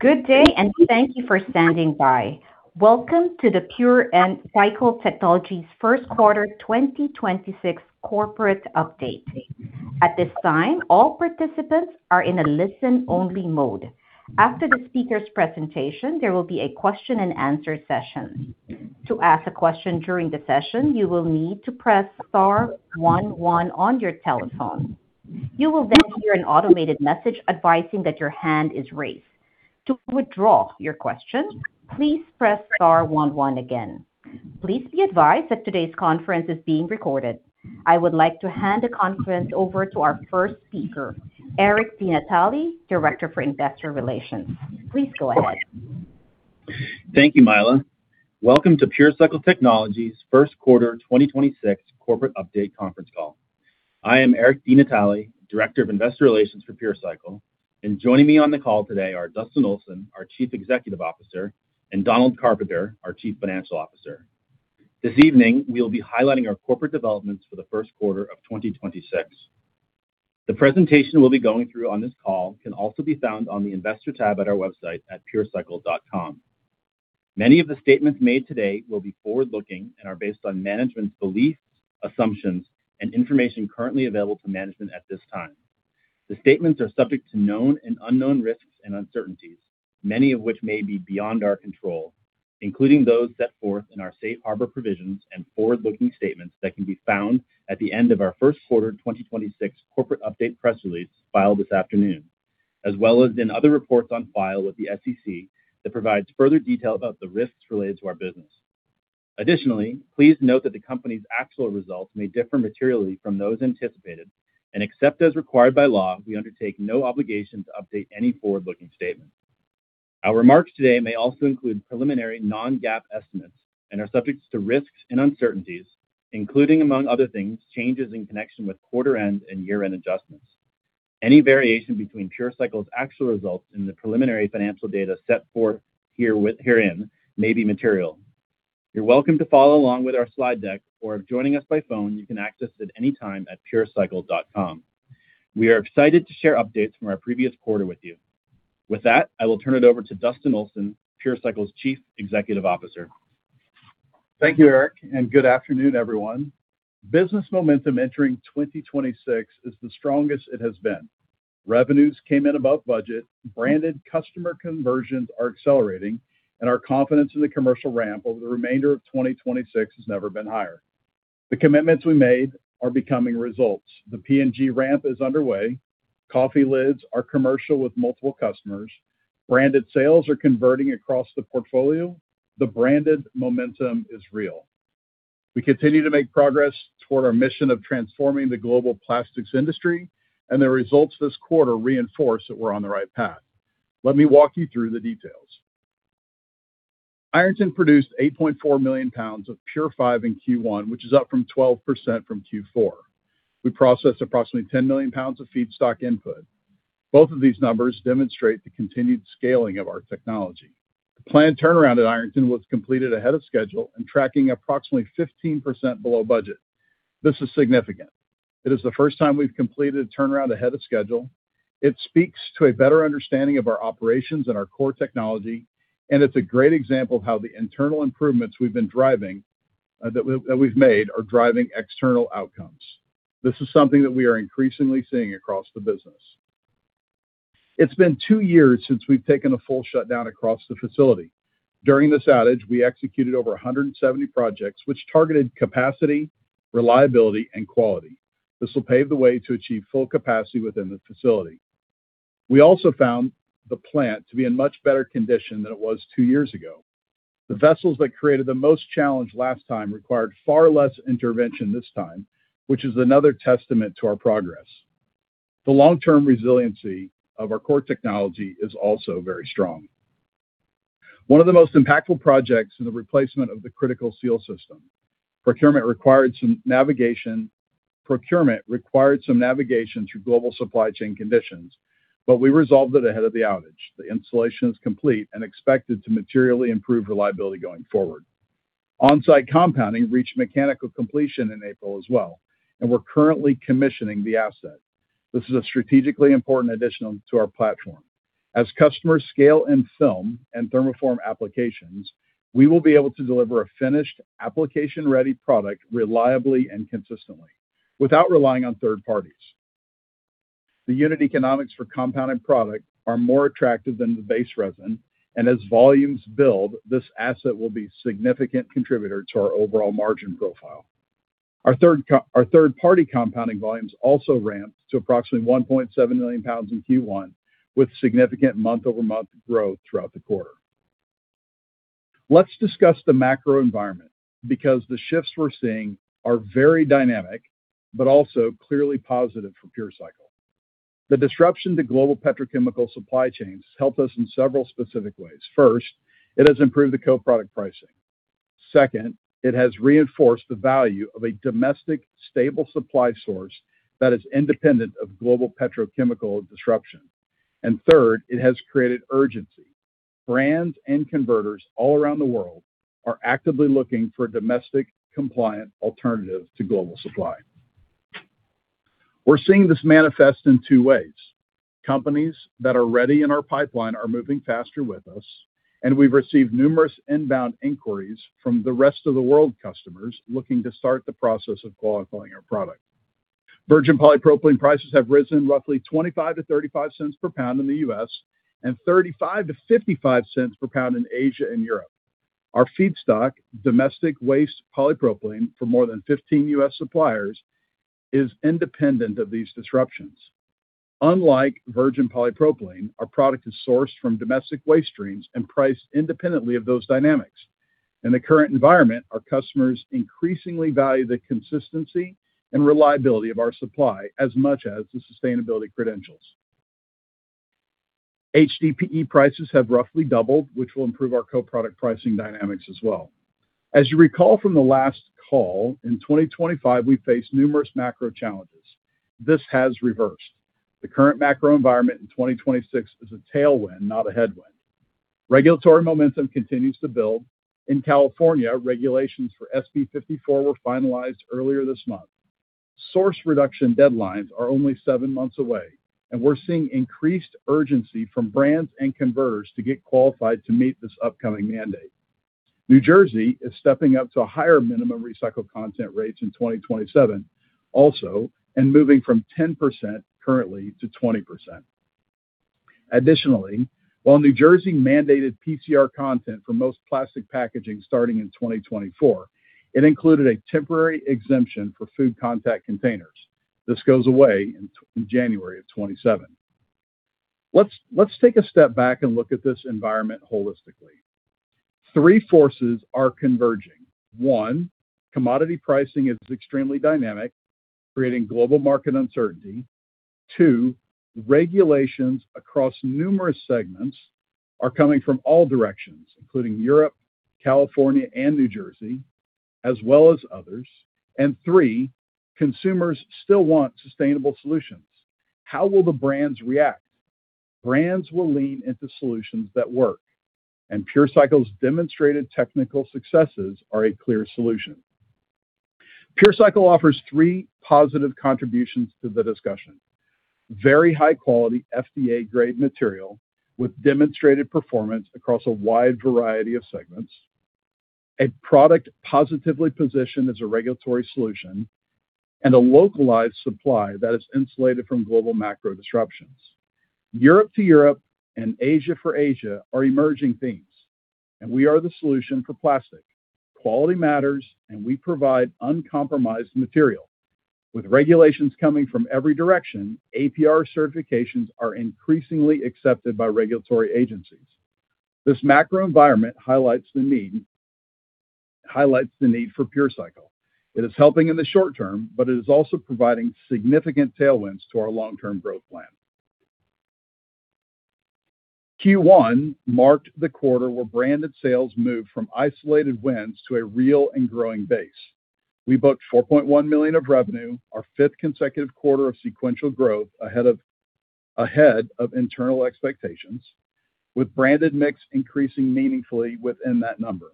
Good day and thank you for standing by. Welcome to the PureCycle Technologies first quarter 2026 corporate update. At this time, all participants are in a listen only mode. After the speaker's presentation, there will be a question and answer session. To ask a question during the session, you will need to press star 11 on your telephone. You will then hear an automated message advising that your hand is raised. To withdraw your question, please press star 11 again. Please be advised that today's conference is being recorded. I would like to hand the conference over to our first speaker, Eric DeNatale, Director for Investor Relations. Please go ahead. Thank you, Myla. Welcome to PureCycle Technologies first quarter 2026 corporate update conference call. I am Eric DeNatale, Director of Investor Relations for PureCycle. Joining me on the call today are Dustin Olson, our Chief Executive Officer, and Donald Carpenter, our Chief Financial Officer. This evening, we'll be highlighting our corporate developments for the first quarter of 2026. The presentation we'll be going through on this call can also be found on the investor tab at our website at purecycle.com. Many of the statements made today will be forward-looking and are based on management's beliefs, assumptions, and information currently available to management at this time. The statements are subject to known and unknown risks and uncertainties, many of which may be beyond our control, including those set forth in our safe harbor provisions and forward-looking statements that can be found at the end of our first quarter 2026 corporate update press release filed this afternoon, as well as in other reports on file with the SEC that provides further detail about the risks related to our business. Additionally, please note that the company's actual results may differ materially from those anticipated, and except as required by law, we undertake no obligation to update any forward-looking statement. Our remarks today may also include preliminary non-GAAP estimates and are subject to risks and uncertainties, including among other things, changes in connection with quarter end and year-end adjustments. Any variation between PureCycle's actual results in the preliminary financial data set forth herein may be material. You're welcome to follow along with our slide deck, or if joining us by phone, you can access it anytime at purecycle.com. We are excited to share updates from our previous quarter with you. With that, I will turn it over to Dustin Olson, PureCycle's Chief Executive Officer. Thank you, Eric. Good afternoon, everyone. Business momentum entering 2026 is the strongest it has been. Revenues came in above budget. Branded customer conversions are accelerating, and our confidence in the commercial ramp over the remainder of 2026 has never been higher. The commitments we made are becoming results. The P&G ramp is underway. Coffee lids are commercial with multiple customers. Branded sales are converting across the portfolio. The branded momentum is real. We continue to make progress toward our mission of transforming the global plastics industry, and the results this quarter reinforce that we're on the right path. Let me walk you through the details. Ironton produced 8.4 million lbs of PureFive in Q1, which is up from 12% from Q4. We processed approximately 10 million lbs of feedstock input. Both of these numbers demonstrate the continued scaling of our technology. The planned turnaround at Ironton was completed ahead of schedule and tracking approximately 15% below budget. This is significant. It is the first time we've completed a turnaround ahead of schedule. It speaks to a better understanding of our operations and our core technology, and it's a great example of how the internal improvements we've been driving, that we've made are driving external outcomes. This is something that we are increasingly seeing across the business. It's been two years since we've taken a full shutdown across the facility. During this outage, we executed over 170 projects which targeted capacity, reliability, and quality. This will pave the way to achieve full capacity within the facility. We also found the plant to be in much better condition than it was two years ago. The vessels that created the most challenge last time required far less intervention this time, which is another testament to our progress. The long-term resiliency of our core technology is also very strong. One of the most impactful projects is the replacement of the critical seal system. Procurement required some navigation through global supply chain conditions, but we resolved it ahead of the outage. The installation is complete and expected to materially improve reliability going forward. On-site compounding reached mechanical completion in April as well, and we're currently commissioning the asset. This is a strategically important addition to our platform. As customers scale in film and thermoform applications, we will be able to deliver a finished application-ready product reliably and consistently without relying on third parties. The unit economics for compounded product are more attractive than the base resin, and as volumes build, this asset will be a significant contributor to our overall margin profile. Our third-party compounding volumes also ramped to approximately 1.7 million lbs in Q1 with significant month-over-month growth throughout the quarter. Let's discuss the macro environment because the shifts we're seeing are very dynamic but also clearly positive for PureCycle. The disruption to global petrochemical supply chains helped us in several specific ways. First, it has improved the co-product pricing. Second, it has reinforced the value of a domestic stable supply source that is independent of global petrochemical disruption. Third, it has created urgency. Brands and converters all around the world are actively looking for domestic compliant alternatives to global supply. We're seeing this manifest in two ways. Companies that are ready in our pipeline are moving faster with us, and we've received numerous inbound inquiries from the rest of the world customers looking to start the process of qualifying our product. Virgin polypropylene prices have risen roughly $0.25-$0.35 per lb in the U.S. and $0.35-$0.55 per lb in Asia and Europe. Our feedstock, domestic waste polypropylene for more than 15 U.S. suppliers, is independent of these disruptions. Unlike virgin polypropylene, our product is sourced from domestic waste streams and priced independently of those dynamics. In the current environment, our customers increasingly value the consistency and reliability of our supply as much as the sustainability credentials. HDPE prices have roughly doubled, which will improve our co-product pricing dynamics as well. As you recall from the last call, in 2025, we faced numerous macro challenges. This has reversed. The current macro environment in 2026 is a tailwind, not a headwind. Regulatory momentum continues to build. In California, regulations for SB 54 were finalized earlier this month. Source reduction deadlines are only seven months away. We're seeing increased urgency from brands and converters to get qualified to meet this upcoming mandate. New Jersey is stepping up to higher minimum recycled content rates in 2027 also and moving from 10% currently to 20%. Additionally, while New Jersey mandated PCR content for most plastic packaging starting in 2024, it included a temporary exemption for food contact containers. This goes away in January of 2027. Let's take a step back and look at this environment holistically. Three forces are converging. One, commodity pricing is extremely dynamic, creating global market uncertainty. Two, regulations across numerous segments are coming from all directions, including Europe, California, and New Jersey, as well as others. Three, consumers still want sustainable solutions. How will the brands react? Brands will lean into solutions that work, and PureCycle's demonstrated technical successes are a clear solution. PureCycle offers three positive contributions to the discussion. Very high-quality FDA-grade material with demonstrated performance across a wide variety of segments, a product positively positioned as a regulatory solution, and a localized supply that is insulated from global macro disruptions. Europe to Europe and Asia for Asia are emerging themes, and we are the solution for plastic. Quality matters, and we provide uncompromised material. With regulations coming from every direction, APR certifications are increasingly accepted by regulatory agencies. This macro environment highlights the need for PureCycle. It is helping in the short term, but it is also providing significant tailwinds to our long-term growth plan. Q1 marked the quarter where branded sales moved from isolated wins to a real and growing base. We booked $4.1 million of revenue, our fifth consecutive quarter of sequential growth ahead of internal expectations, with branded mix increasing meaningfully within that number.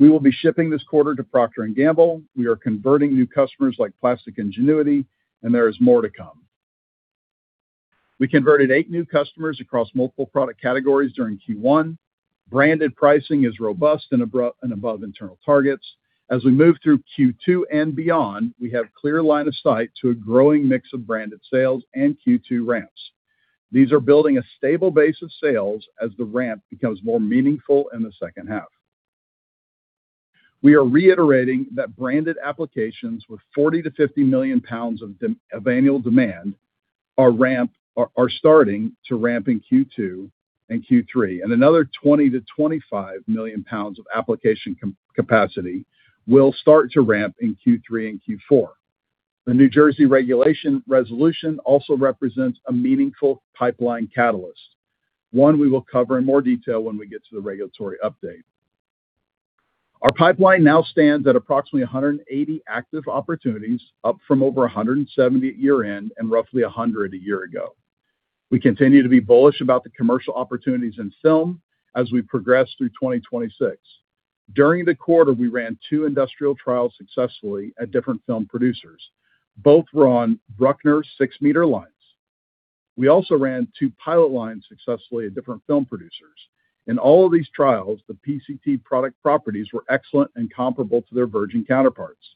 We will be shipping this quarter to Procter & Gamble. We are converting new customers like Plastic Ingenuity, and there is more to come. We converted eight new customers across multiple product categories during Q1. Branded pricing is robust and above internal targets. As we move through Q2 and beyond, we have clear line of sight to a growing mix of branded sales and Q2 ramps. These are building a stable base of sales as the ramp becomes more meaningful in the second half. We are reiterating that branded applications with 40 million-50 million lbs of annual demand are starting to ramp in Q2 and Q3, and another 20 million-25 million lbs of application capacity will start to ramp in Q3 and Q4. The New Jersey regulation resolution also represents a meaningful pipeline catalyst, one we will cover in more detail when we get to the regulatory update. Our pipeline now stands at approximately 180 active opportunities, up from over 170 at year-end and roughly 100 a year ago. We continue to be bullish about the commercial opportunities in film as we progress through 2026. During the quarter, we ran two industrial trials successfully at different film producers. Both were on Brückner six-meter lines. We also ran two pilot lines successfully at different film producers. In all of these trials, the PCT product properties were excellent and comparable to their virgin counterparts.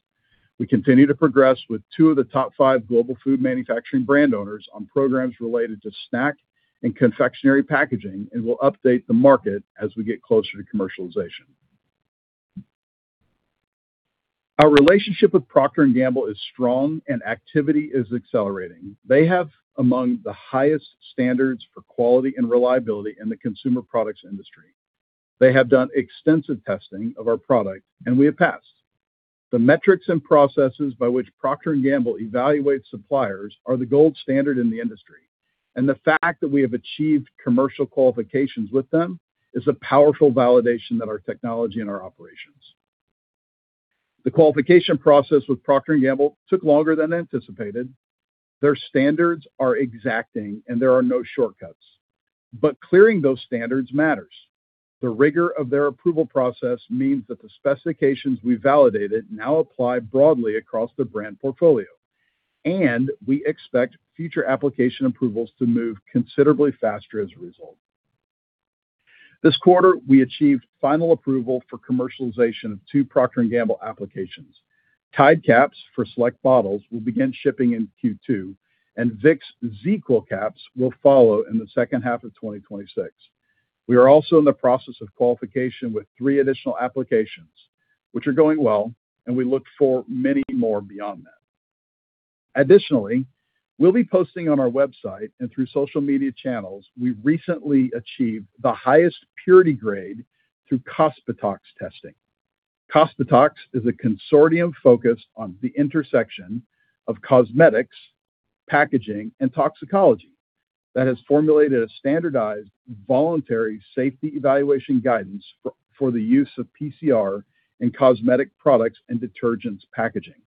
We continue to progress with two of the top five global food manufacturing brand owners on programs related to snack and confectionery packaging, and we'll update the market as we get closer to commercialization. Our relationship with Procter & Gamble is strong, and activity is accelerating. They have among the highest standards for quality and reliability in the consumer products industry. They have done extensive testing of our product, and we have passed. The metrics and processes by which Procter & Gamble evaluates suppliers are the gold standard in the industry, and the fact that we have achieved commercial qualifications with them is a powerful validation of our technology and our operations. The qualification process with Procter & Gamble took longer than anticipated. Their standards are exacting, and there are no shortcuts. Clearing those standards matters. The rigor of their approval process means that the specifications we validated now apply broadly across the brand portfolio, and we expect future application approvals to move considerably faster as a result. This quarter, we achieved final approval for commercialization of two Procter & Gamble applications. Tide Caps for select bottles will begin shipping in Q2, and Vicks ZzzQuil caps will follow in the second half of 2026. We are also in the process of qualification with three additional applications, which are going well, and we look for many more beyond that. Additionally, we'll be posting on our website and through social media channels. We recently achieved the highest purity grade through CosPaTox testing. CosPaTox is a consortium focused on the intersection of cosmetics, packaging, and toxicology that has formulated a standardized voluntary safety evaluation guidance for the use of PCR in cosmetic products and detergents packaging.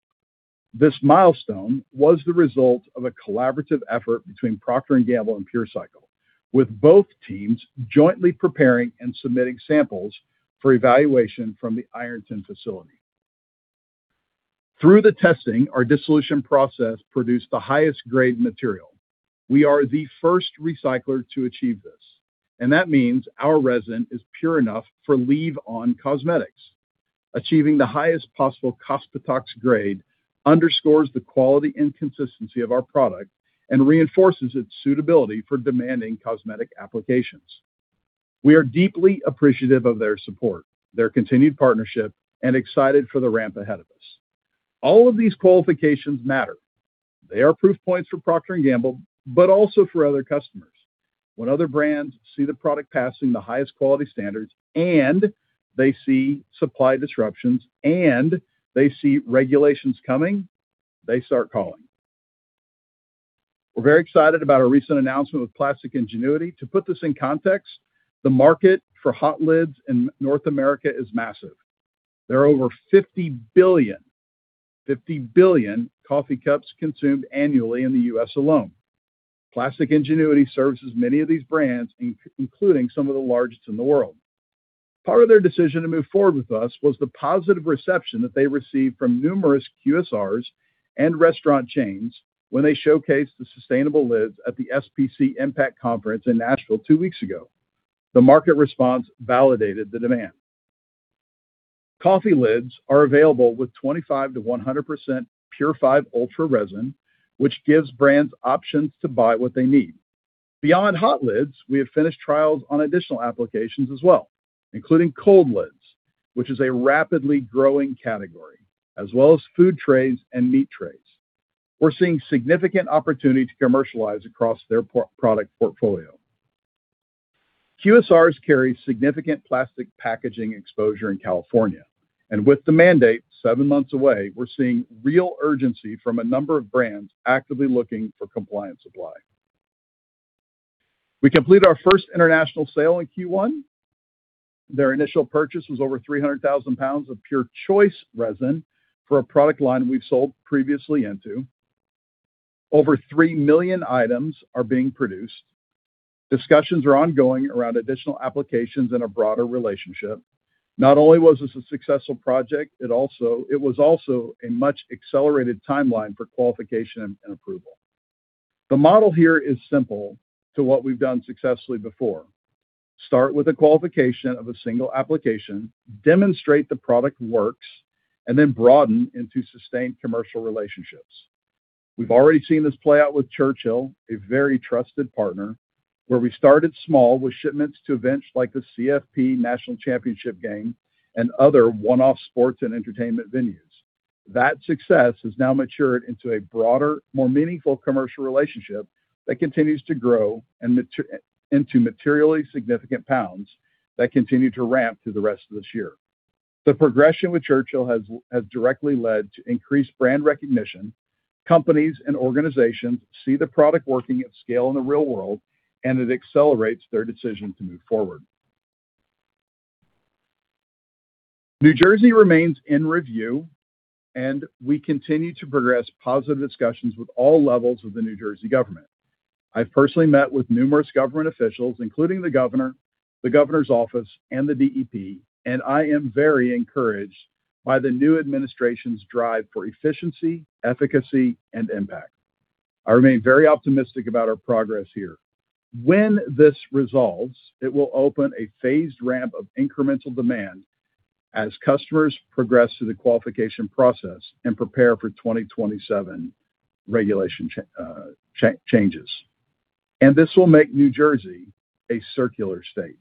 This milestone was the result of a collaborative effort between Procter & Gamble and PureCycle, with both teams jointly preparing and submitting samples for evaluation from the Ironton facility. Through the testing, our dissolution process produced the highest grade material. We are the first recycler to achieve this, and that means our resin is pure enough for leave-on cosmetics. Achieving the highest possible CosPaTox grade underscores the quality and consistency of our product and reinforces its suitability for demanding cosmetic applications. We are deeply appreciative of their support, their continued partnership, and excited for the ramp ahead of us. All of these qualifications matter. They are proof points for Procter & Gamble, but also for other customers. When other brands see the product passing the highest quality standards, they see supply disruptions, they see regulations coming, they start calling. We're very excited about our recent announcement with Plastic Ingenuity. To put this in context, the market for hot lids in North America is massive. There are over 50 billion coffee cups consumed annually in the U.S. alone. Plastic Ingenuity services many of these brands, including some of the largest in the world. Part of their decision to move forward with us was the positive reception that they received from numerous QSRs and restaurant chains when they showcased the sustainable lids at the SPC Impact Conference in Nashville two weeks ago. The market response validated the demand. Coffee lids are available with 25%-100% PureFive Ultra resin, which gives brands options to buy what they need. Beyond hot lids, we have finished trials on additional applications as well, including cold lids, which is a rapidly growing category, as well as food trays and meat trays. We're seeing significant opportunity to commercialize across their product portfolio. QSRs carry significant plastic packaging exposure in California, and with the mandate seven months away, we're seeing real urgency from a number of brands actively looking for compliance supply. We completed our first international sale in Q1. Their initial purchase was over 300,000 lbs of PureFive Choice resin for a product line we've sold previously into. Over 3 million items are being produced. Discussions are ongoing around additional applications in a broader relationship. Not only was this a successful project, it was also a much-accelerated timeline for qualification and approval. The model here is simple to what we've done successfully before. Start with the qualification of a single application, demonstrate the product works, then broaden into sustained commercial relationships. We've already seen this play out with Churchill, a very trusted partner, where we started small with shipments to events like the CFP National Championship game and other one-off sports and entertainment venues. That success has now matured into a broader, more meaningful commercial relationship that continues to grow into materially significant pounds that continue to ramp through the rest of this year. The progression with Churchill has directly led to increased brand recognition. Companies and organizations see the product working at scale in the real world, it accelerates their decision to move forward. New Jersey remains in review. We continue to progress positive discussions with all levels of the New Jersey government. I've personally met with numerous government officials, including the governor, the governor's office, and the DEP. I am very encouraged by the new administration's drive for efficiency, efficacy, and impact. I remain very optimistic about our progress here. When this resolves, it will open a phased ramp of incremental demand as customers progress through the qualification process and prepare for 2027 regulation changes. This will make New Jersey a circular state.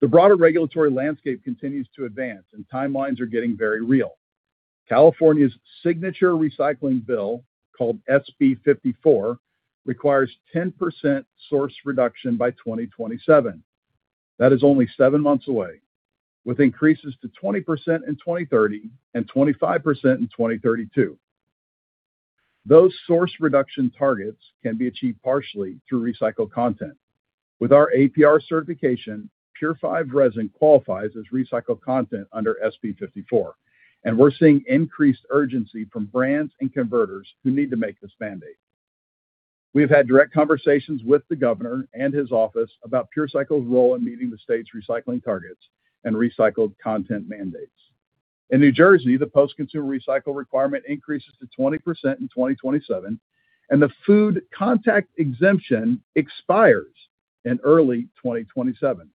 The broader regulatory landscape continues to advance. Timelines are getting very real. California's signature recycling bill, called SB 54, requires 10% source reduction by 2027. That is only seven months away, with increases to 20% in 2030 and 25% in 2032. Those source reduction targets can be achieved partially through recycled content. With our APR certification, PureFive resin qualifies as recycled content under SB 54, we're seeing increased urgency from brands and converters who need to make this mandate. We've had direct conversations with the governor and his office about PureCycle's role in meeting the state's recycling targets and recycled content mandates. In New Jersey, the post-consumer recycled requirement increases to 20% in 2027. The food contact exemption expires in early 2027.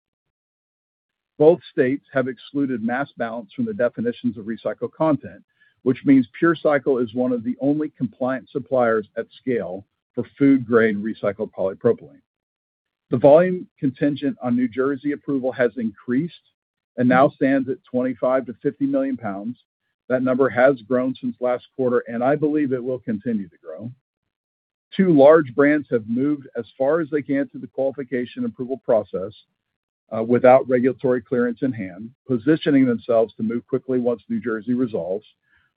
Both states have excluded mass balance from the definitions of recycled content, which means PureCycle is one of the only compliant suppliers at scale for food-grade recycled polypropylene. The volume contingent on New Jersey approval has increased and now stands at 25 million-50 million lbs. That number has grown since last quarter, I believe it will continue to grow. Two large brands have moved as far as they can through the qualification approval process, without regulatory clearance in hand, positioning themselves to move quickly once New Jersey resolves.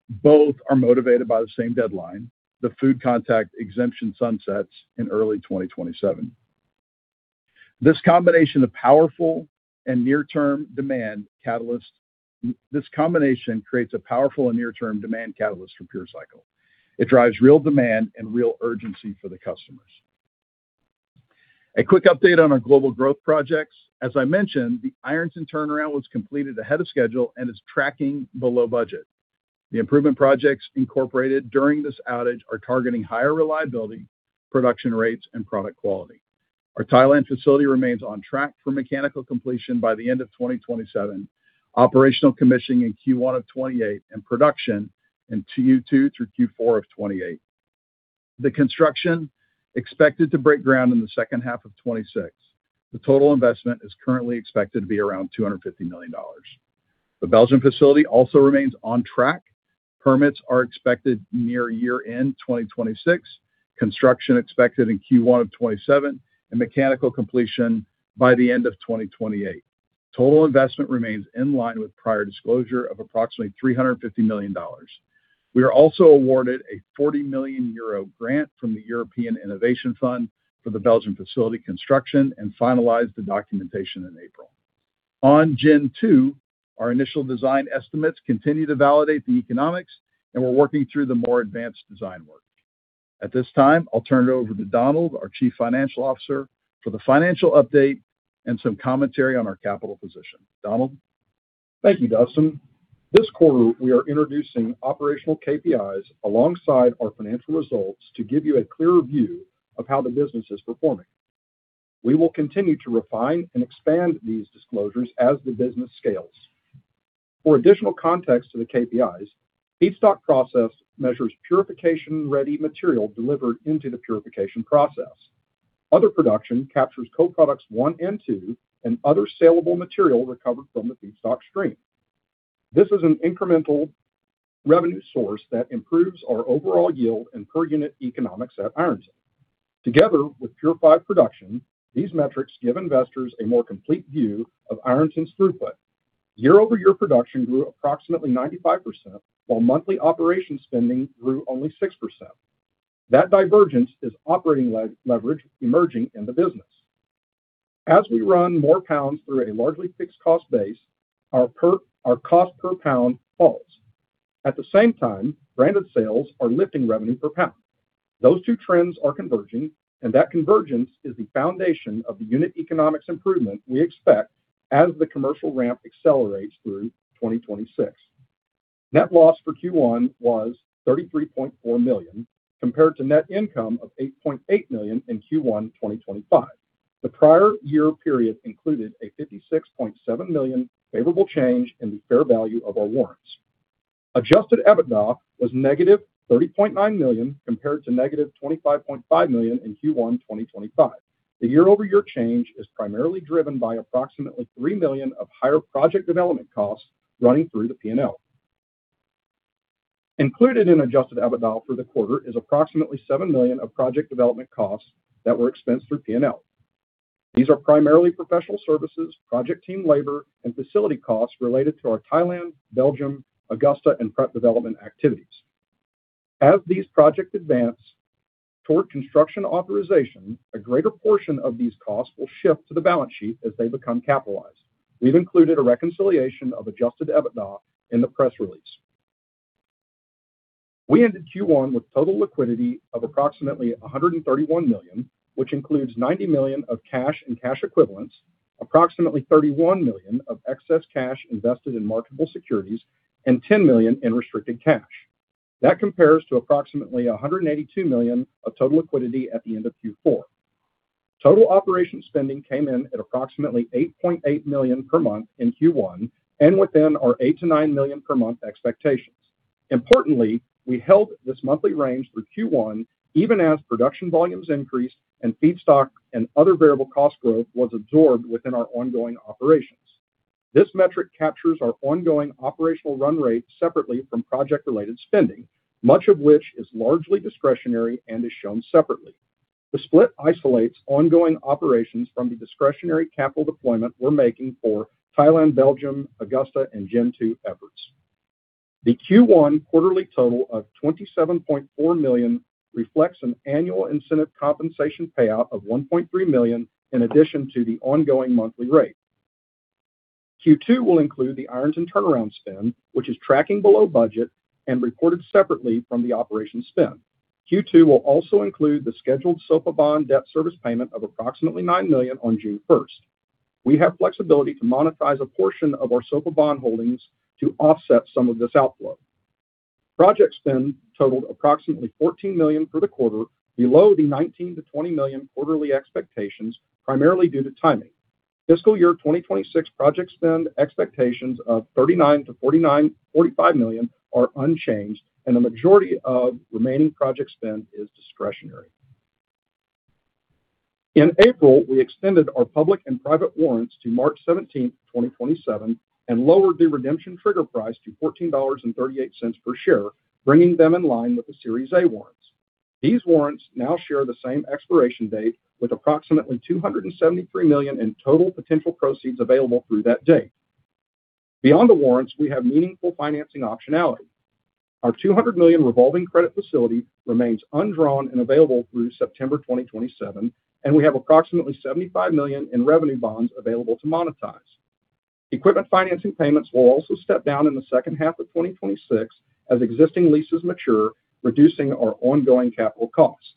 Both are motivated by the same deadline. The food contact exemption sunsets in early 2027. This combination creates a powerful and near-term demand catalyst for PureCycle. It drives real demand and real urgency for the customers. A quick update on our global growth projects. As I mentioned, the Ironton turnaround was completed ahead of schedule and is tracking below budget. The improvement projects incorporated during this outage are targeting higher reliability, production rates, and product quality. Our Thailand facility remains on track for mechanical completion by the end of 2027, operational commissioning in Q1 of 2028, and production in Q2 through Q4 of 2028. The construction expected to break ground in the second half of 2026. The total investment is currently expected to be around $250 million. The Belgian facility also remains on track. Permits are expected near year-end 2026, construction expected in Q1 of 2027, and mechanical completion by the end of 2028. Total investment remains in line with prior disclosure of approximately $350 million. We are also awarded a 40 million euro grant from the European Innovation Fund for the Belgian facility construction and finalized the documentation in April. On Gen 2, our initial design estimates continue to validate the economics. We're working through the more advanced design work. At this time, I'll turn it over to Donald, our Chief Financial Officer, for the financial update and some commentary on our capital position. Donald? Thank you, Dustin. This quarter, we are introducing operational KPIs alongside our financial results to give you a clearer view of how the business is performing. We will continue to refine and expand these disclosures as the business scales. For additional context to the KPIs, feedstock process measures purification-ready material delivered into the purification process. Other production captures co-products one and two and other sellable material recovered from the feedstock stream. This is an incremental revenue source that improves our overall yield and per-unit economics at Ironton. Together with purified production, these metrics give investors a more complete view of Ironton's throughput. Year-over-year production grew approximately 95%, while monthly operation spending grew only 6%. That divergence is operating leverage emerging in the business. As we run more pounds through a largely fixed cost base, our cost per pound falls. At the same time, branded sales are lifting revenue per pound. Those two trends are converging, that convergence is the foundation of the unit economics improvement we expect as the commercial ramp accelerates through 2026. Net loss for Q1 was $33.4 million, compared to net income of $8.8 million in Q1 2025. The prior year period included a $56.7 million favorable change in the fair value of our warrants. Adjusted EBITDA was -$30.9 million, compared to -$25.5 million in Q1 2025. The year-over-year change is primarily driven by approximately $3 million of higher project development costs running through the P&L. Included in Adjusted EBITDA for the quarter is approximately $7 million of project development costs that were expensed through P&L. These are primarily professional services, project team labor, and facility costs related to our Thailand, Belgium, Augusta, and prep development activities. As these projects advance toward construction authorization, a greater portion of these costs will shift to the balance sheet as they become capitalized. We've included a reconciliation of adjusted EBITDA in the press release. We ended Q1 with total liquidity of approximately $131 million, which includes $90 million of cash and cash equivalents, approximately $31 million of excess cash invested in marketable securities, and $10 million in restricted cash. That compares to approximately $182 million of total liquidity at the end of Q4. Total operation spending came in at approximately $8.8 million per month in Q1 and within our $8 million-$9 million per month expectations. Importantly, we held this monthly range through Q1 even as production volumes increased and feedstock and other variable cost growth was absorbed within our ongoing operations. This metric captures our ongoing operational run rate separately from project-related spending, much of which is largely discretionary and is shown separately. The split isolates ongoing operations from the discretionary capital deployment we're making for Thailand, Belgium, Augusta, and Gen 2 efforts. The Q1 quarterly total of $27.4 million reflects an annual incentive compensation payout of $1.3 million in addition to the ongoing monthly rate. Q2 will include the ironton turnaround spend, which is tracking below budget and reported separately from the operation spend. Q2 will also include the scheduled SOPA bond debt service payment of approximately $9 million on June 1st. We have flexibility to monetize a portion of our SOPA bond holdings to offset some of this outflow. Project spend totaled approximately $14 million for the quarter, below the $19 million-$20 million quarterly expectations, primarily due to timing. Fiscal year 2026 project spend expectations of $39 million-$45 million are unchanged, and the majority of remaining project spend is discretionary. In April, we extended our public and private warrants to March 17, 2027 and lowered the redemption trigger price to $14.38 per share, bringing them in line with the Series A warrants. These warrants now share the same expiration date with approximately $273 million in total potential proceeds available through that date. Beyond the warrants, we have meaningful financing optionality. Our $200 million revolving credit facility remains undrawn and available through September 2027, and we have approximately $75 million in revenue bonds available to monetize. Equipment financing payments will also step down in the second half of 2026 as existing leases mature, reducing our ongoing capital costs.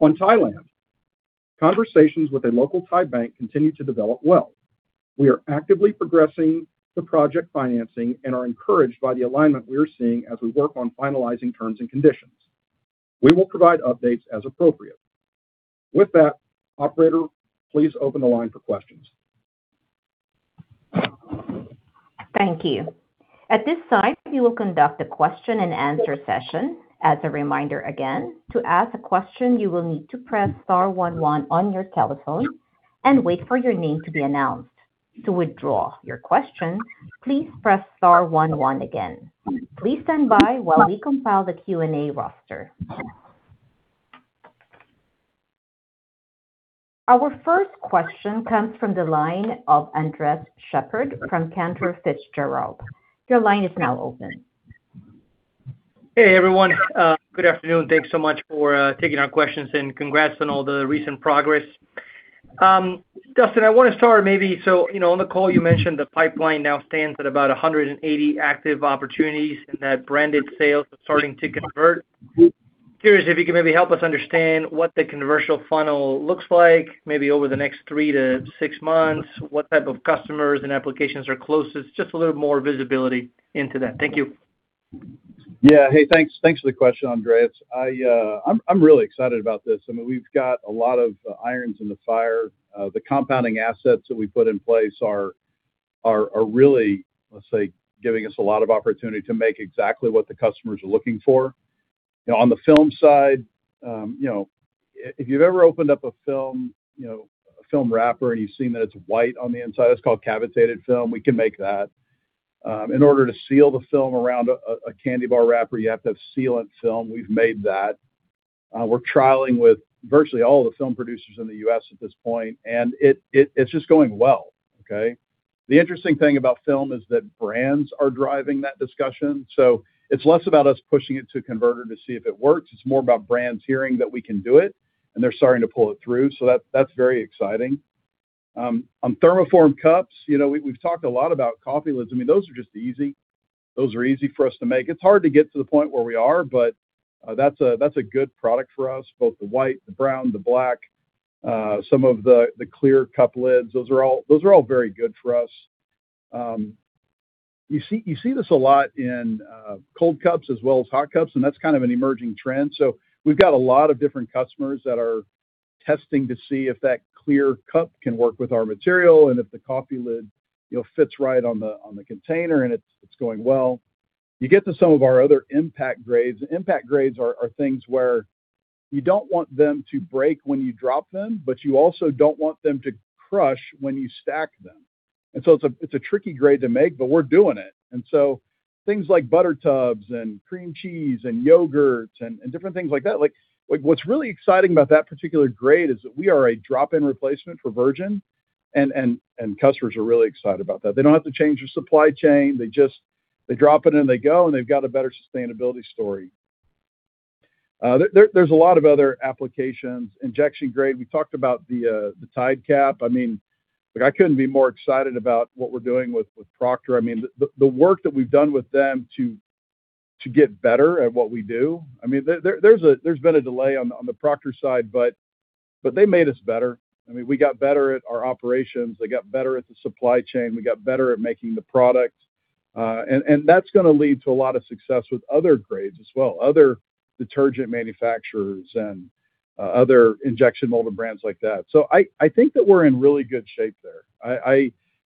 On Thailand, conversations with a local Thai bank continue to develop well. We are actively progressing the project financing and are encouraged by the alignment we are seeing as we work on finalizing terms and conditions. We will provide updates as appropriate. With that, operator, please open the line for questions. Thank you. At this time, we will conduct a question and answer session. As a reminder again, to ask a question, you will need to press star one one on your telephone and wait for your name to be announced. To withdraw your question, please press star one one again. Please stand by while we compile the Q&A roster. Our first question comes from the line of Andres Sheppard from Cantor Fitzgerald. Your line is now open. Hey, everyone. Good afternoon. Thanks so much for taking our questions and congrats on all the recent progress. Dustin, I want to start maybe, you know, on the call you mentioned the pipeline now stands at about 180 active opportunities and that branded sales are starting to convert. Curious if you can maybe help us understand what the commercial funnel looks like maybe over the next three-six months, what type of customers and applications are closest, just a little more visibility into that. Thank you. Hey, thanks. Thanks for the question, Andres. I'm really excited about this. I mean, we've got a lot of irons in the fire. The compounding assets that we put in place are really, let's say, giving us a lot of opportunity to make exactly what the customers are looking for. You know, on the film side, you know, if you've ever opened up a film, you know, a film wrapper, and you've seen that it's white on the inside, that's called cavitated film. We can make that. In order to seal the film around a candy bar wrapper, you have to have sealant film. We've made that. We're trialing with virtually all the film producers in the U.S. at this point, and it's just going well, okay? The interesting thing about film is that brands are driving that discussion. It's less about us pushing it to converter to see if it works. It's more about brands hearing that we can do it, and they're starting to pull it through. That's very exciting. On thermoform cups, you know, we've talked a lot about coffee lids. I mean, those are just easy. Those are easy for us to make. It's hard to get to the point where we are, but that's a good product for us, both the white, the brown, the black, some of the clear cup lids. Those are all very good for us. You see this a lot in cold cups as well as hot cups, and that's kind of an emerging trend. We've got a lot of different customers that are testing to see if that clear cup can work with our material and if the coffee lid, you know, fits right on the container, and it's going well. You get to some of our other impact grades. Impact grades are things where you don't want them to break when you drop them, but you also don't want them to crush when you stack them. It's a tricky grade to make, but we're doing it. Things like butter tubs and cream cheese and yogurt and different things like that, what's really exciting about that particular grade is that we are a drop-in replacement for virgin, and customers are really excited about that. They don't have to change their supply chain. They just drop it in, they go. They've got a better sustainability story. There's a lot of other applications. Injection grade, we talked about the Tide cap. I mean, like, I couldn't be more excited about what we're doing with Procter. I mean, the work that we've done with them to get better at what we do, I mean, there's been a delay on the Procter side, but they made us better. I mean, we got better at our operations. They got better at the supply chain. We got better at making the product. That's gonna lead to a lot of success with other grades as well, other detergent manufacturers and other injection molded brands like that. I think that we're in really good shape there.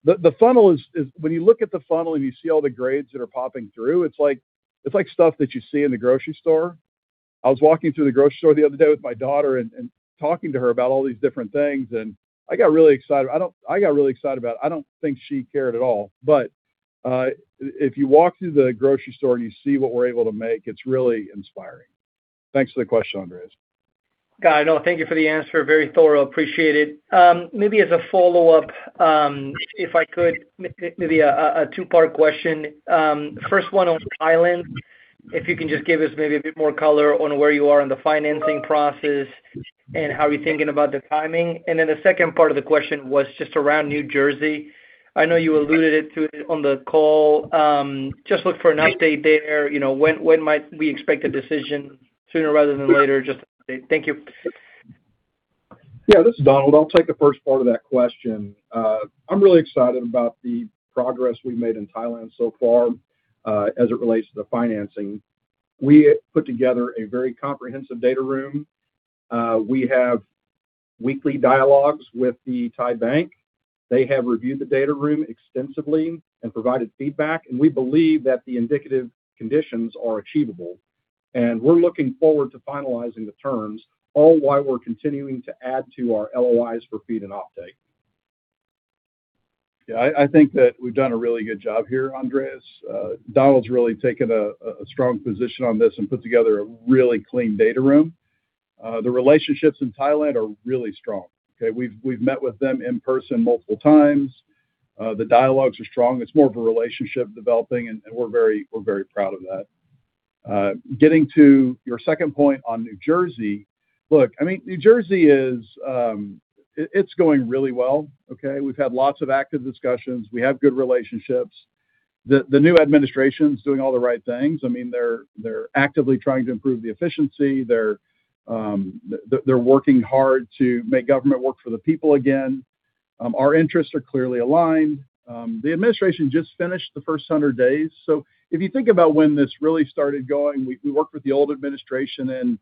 The funnel is when you look at the funnel and you see all the grades that are popping through, it's like stuff that you see in the grocery store. I was walking through the grocery store the other day with my daughter and talking to her about all these different things, and I got really excited. I got really excited about it. I don't think she cared at all. If you walk through the grocery store and you see what we're able to make, it's really inspiring. Thanks for the question, Andres. Got it. No, thank you for the answer. Very thorough. Appreciate it. Maybe as a follow-up, if I could, maybe a two-part question. First one on Thailand, if you can just give us maybe a bit more color on where you are in the financing process and how you're thinking about the timing. The second part of the question was just around New Jersey. I know you alluded it to it on the call. Just look for an update there. You know, when might we expect a decision sooner rather than later? Thank you. This is Donald. I'll take the first part of that question. I'm really excited about the progress we've made in Thailand so far as it relates to the financing. We put together a very comprehensive data room. We have weekly dialogues with the Thai bank. They have reviewed the data room extensively and provided feedback. We believe that the indicative conditions are achievable. We're looking forward to finalizing the terms, all while we're continuing to add to our LOIs for feed and offtake. I think that we've done a really good job here, Andres. Donald's really taken a strong position on this and put together a really clean data room. The relationships in Thailand are really strong. Okay? We've met with them in person multiple times. The dialogues are strong. It's more of a relationship developing, and we're very proud of that. Getting to your second point on New Jersey. Look, I mean, New Jersey is, it's going really well. Okay. We've had lots of active discussions. We have good relationships. The new administration's doing all the right things. I mean, they're actively trying to improve the efficiency. They're working hard to make government work for the people again. Our interests are clearly aligned. The administration just finished the first 100 days. If you think about when this really started going, we worked with the old administration in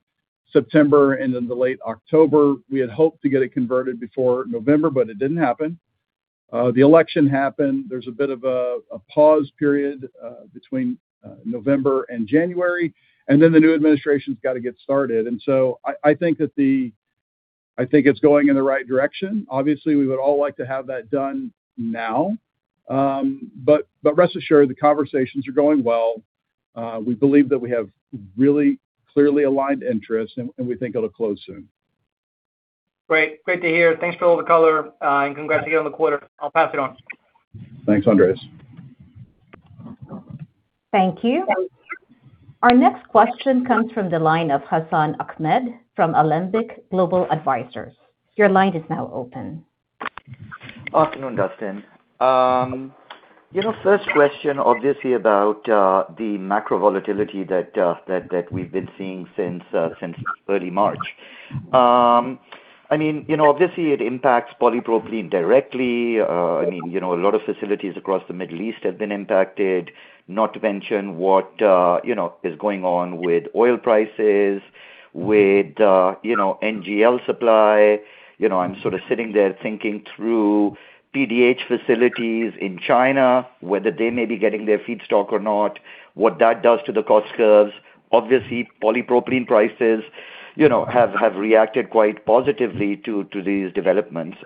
September and into late October. We had hoped to get it converted before November, it didn't happen. The election happened. There's a bit of a pause period between November and January. The new administration's got to get started. I think it's going in the right direction. Obviously, we would all like to have that done now. Rest assured, the conversations are going well. We believe that we have really clearly aligned interests, and we think it'll close soon. Great. Great to hear. Thanks for all the color, and congrats again on the quarter. I'll pass it on. Thanks, Andres. Thank you. Our next question comes from the line of Hassan Ahmed from Alembic Global Advisors. Afternoon, Dustin. You know, first question obviously about the macro volatility that we've been seeing since early March. I mean, you know, obviously, it impacts polypropylene directly. I mean, you know, a lot of facilities across the Middle East have been impacted. Not to mention what, you know, is going on with oil prices, with, you know, NGL supply. You know, I'm sort of sitting there thinking through PDH facilities in China, whether they may be getting their feedstock or not, what that does to the cost curves. Obviously, polypropylene prices, you know, have reacted quite positively to these developments.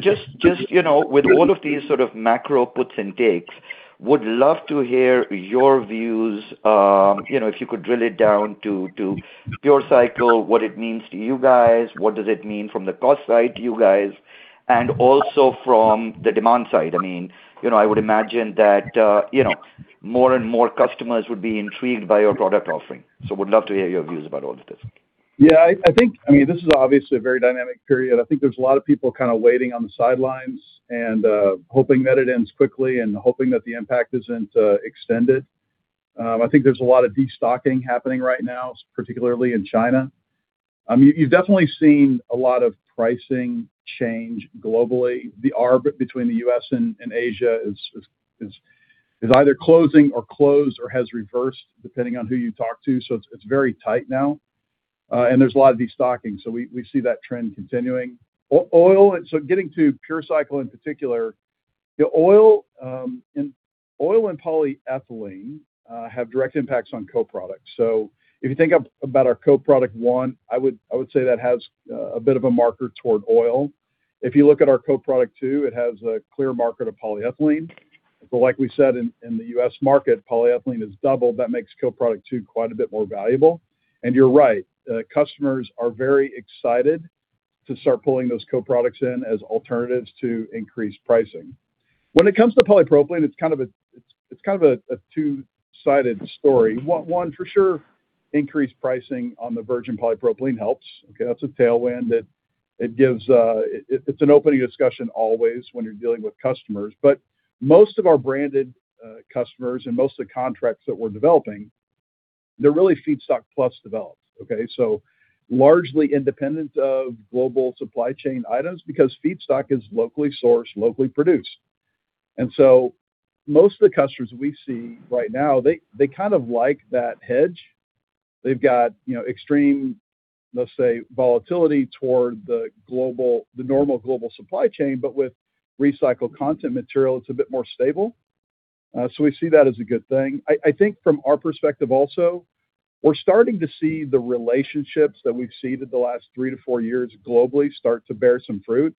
Just, you know, with all of these sort of macro puts and takes, would love to hear your views, you know, if you could drill it down to PureCycle, what it means to you guys, what does it mean from the cost side to you guys, and also from the demand side. I mean, you know, I would imagine that, you know, more and more customers would be intrigued by your product offering. Would love to hear your views about all of this. I mean, this is obviously a very dynamic period. I think there's a lot of people kind of waiting on the sidelines and hoping that it ends quickly and hoping that the impact isn't extended. I think there's a lot of destocking happening right now, particularly in China. You've definitely seen a lot of pricing change globally. The arb between the U.S. and Asia is either closing or closed or has reversed, depending on who you talk to. It's very tight now. There's a lot of destocking, we see that trend continuing. Getting to PureCycle in particular, you know, oil and oil and polyethylene have direct impacts on co-products. If you think about our co-product one, I would say that has a bit of a marker toward oil. If you look at our co-product two, it has a clear marker to polyethylene. Like we said, in the U.S. market, polyethylene has doubled. That makes co-product two quite a bit more valuable. You're right, customers are very excited to start pulling those co-products in as alternatives to increased pricing. When it comes to polypropylene, it's kind of a two-sided story. One, for sure, increased pricing on the virgin polypropylene helps. Okay. That's a tailwind. It gives, it's an opening discussion always when you're dealing with customers. Most of our branded customers and most of the contracts that we're developing, they're really feedstock plus development, okay. Largely independent of global supply chain items because feedstock is locally sourced, locally produced. Most of the customers we see right now, they kind of like that hedge. They've got, you know, extreme, let's say, volatility toward the normal global supply chain, but with recycled content material, it's a bit more stable. We see that as a good thing. I think from our perspective also, we're starting to see the relationships that we've seeded the last three to four years globally start to bear some fruit.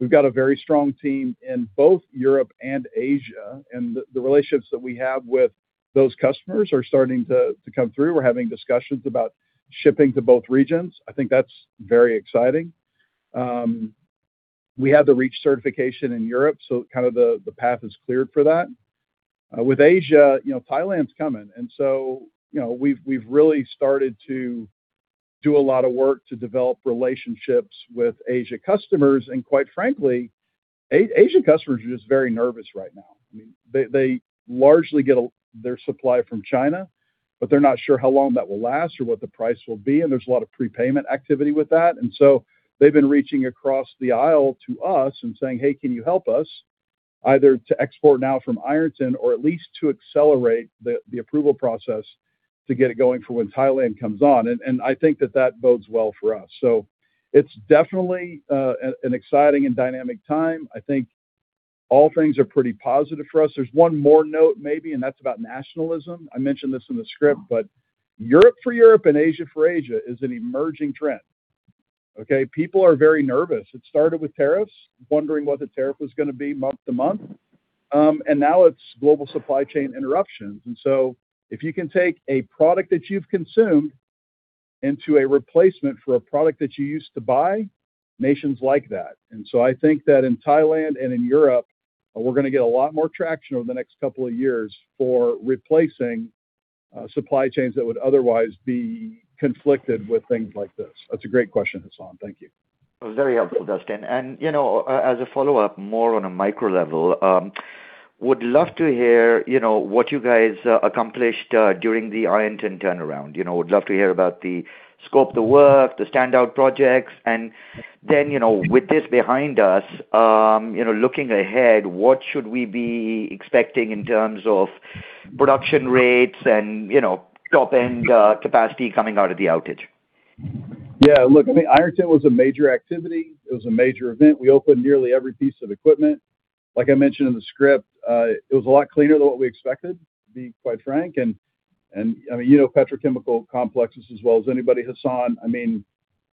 We've got a very strong team in both Europe and Asia, and the relationships that we have with those customers are starting to come through. We're having discussions about shipping to both regions. I think that's very exciting. We have the REACH certification in Europe. The path is cleared for that. With Asia, Thailand's coming, we really started to do a lot of work to develop relationships with Asia customers. Asian customers are just very nervous right now. They largely get their supply from China, but they're not sure how long that will last or what the price will be, and there's a lot of prepayment activity with that. They've been reaching across the aisle to us and saying, "Hey, can you help us either to export now from Ironton or at least to accelerate the approval process to get it going for when Thailand comes on?" I think that that bodes well for us. It's definitely an exciting and dynamic time. I think all things are pretty positive for us. There's one more note maybe, that's about nationalism. I mentioned this in the script, Europe for Europe and Asia for Asia is an emerging trend. Okay. People are very nervous. It started with tariffs, wondering what the tariff was gonna be month to month. Now it's global supply chain interruptions. If you can take a product that you've consumed into a replacement for a product that you used to buy, nations like that. I think that in Thailand and in Europe, we're gonna get a lot more traction over the next couple of years for replacing supply chains that would otherwise be conflicted with things like this. That's a great question, Hassan. Thank you. It was very helpful, Dustin. You know, as a follow-up, more on a micro level, would love to hear, you know, what you guys accomplished during the Ironton turnaround. You know, would love to hear about the scope of the work, the standout projects. You know, with this behind us, you know, looking ahead, what should we be expecting in terms of production rates and, you know, top-end capacity coming out of the outage? Yeah, look, I mean, Ironton was a major activity. It was a major event. We opened nearly every piece of equipment. Like I mentioned in the script, it was a lot cleaner than what we expected, to be quite frank. I mean, you know petrochemical complexes as well as anybody, Hassan. I mean,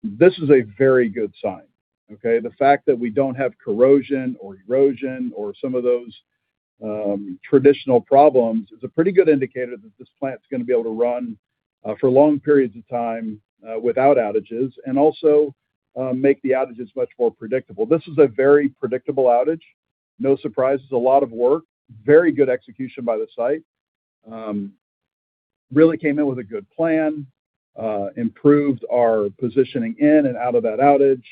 this is a very good sign, okay? The fact that we don't have corrosion or erosion or some of those traditional problems is a pretty good indicator that this plant's gonna be able to run for long periods of time without outages, and also make the outages much more predictable. This is a very predictable outage. No surprises. A lot of work. Very good execution by the site. Really came in with a good plan, improved our positioning in and out of that outage.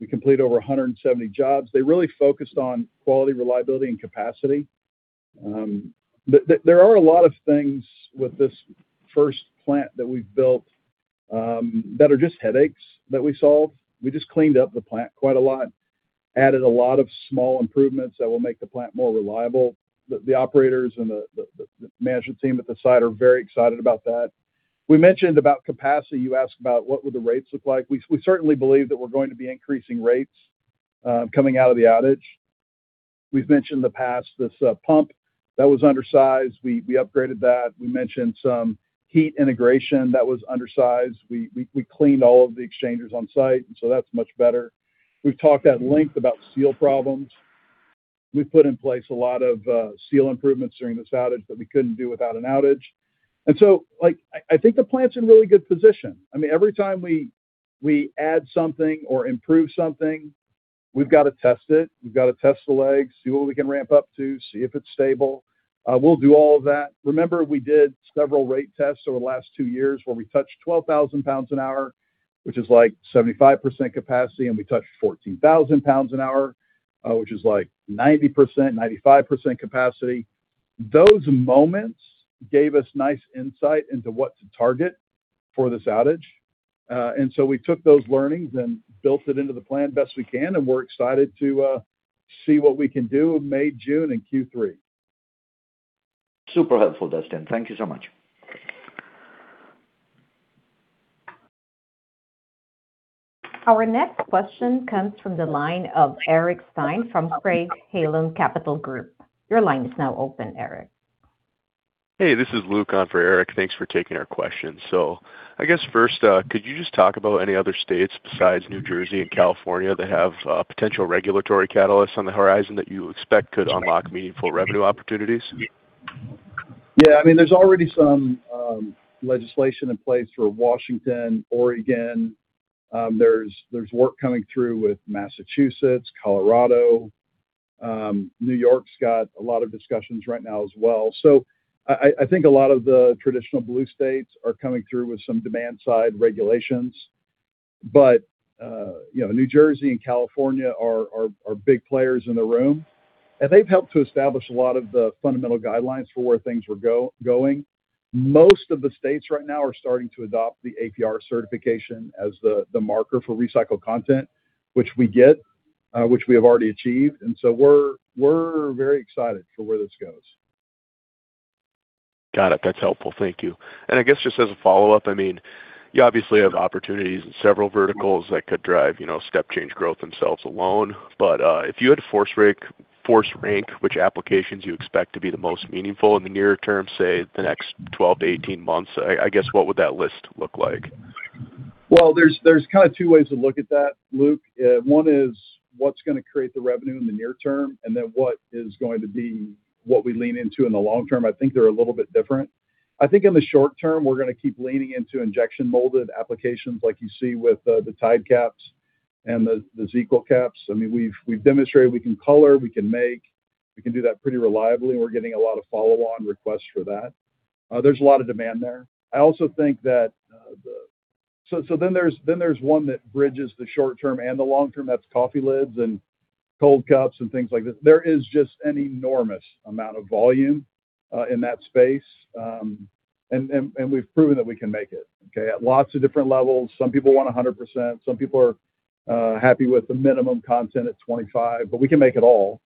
We completed over 170 jobs. They really focused on quality, reliability, and capacity. There are a lot of things with this first plant that we've built that are just headaches that we solved. We just cleaned up the plant quite a lot, added a lot of small improvements that will make the plant more reliable. The operators and the management team at the site are very excited about that. We mentioned about capacity. You asked about what would the rates look like. We certainly believe that we're going to be increasing rates coming out of the outage. We've mentioned in the past this pump that was undersized. We upgraded that. We mentioned some heat integration that was undersized. We cleaned all of the exchangers on site, that's much better. We've talked at length about seal problems. We've put in place a lot of seal improvements during this outage that we couldn't do without an outage. Like, I think the plant's in really good position. I mean, every time we add something or improve something, we've got to test it. We've got to test the legs, see what we can ramp up to, see if it's stable. We'll do all of that. Remember we did several rate tests over the last two years where we touched 12,000 lbs an hour, which is like 75% capacity, and we touched 14,000 lbs an hour, which is like 90%, 95% capacity. Those moments gave us nice insight into what to target for this outage. We took those learnings and built it into the plan best we can, and we're excited to see what we can do in May, June, and Q3. Super helpful, Dustin. Thank you so much. Our next question comes from the line of Eric Stine from Craig-Hallum Capital Group. Your line is now open, Eric. Hey, this is Luke on for Eric. Thanks for taking our question. I guess first, could you just talk about any other states besides New Jersey and California that have potential regulatory catalysts on the horizon that you expect could unlock meaningful revenue opportunities? Yeah, I mean, there's already some legislation in place for Washington, Oregon. There's work coming through with Massachusetts, Colorado. New York's got a lot of discussions right now as well. I think a lot of the traditional blue states are coming through with some demand-side regulations. You know, New Jersey and California are big players in the room, and they've helped to establish a lot of the fundamental guidelines for where things were going. Most of the states right now are starting to adopt the APR certification as the marker for recycled content, which we have already achieved. We're very excited for where this goes. Got it. That's helpful. Thank you. I guess just as a follow-up, I mean, you obviously have opportunities in several verticals that could drive, you know, step change growth themselves alone. If you had to force rank which applications you expect to be the most meaningful in the near term, say the next 12 months-18 months, I guess what would that list look like? Well, there's kind of two ways to look at that, Luke. One is what's gonna create the revenue in the near term, and then what is going to be what we lean into in the long term. I think they're a little bit different. I think in the short term, we're gonna keep leaning into injection molded applications like you see with the Tide caps and the ZzzQuil caps. I mean, we've demonstrated we can color, we can make, we can do that pretty reliably, and we're getting a lot of follow on requests for that. There's a lot of demand there. I also think that, then there's one that bridges the short term and the long term. That's coffee lids and cold cups and things like this. There is just an enormous amount of volume in that space. We've proven that we can make it, okay? At lots of different levels. Some people want 100%, some people are happy with the minimum content at 25, but we can make it all,